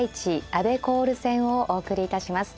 阿部光瑠戦をお送りいたします。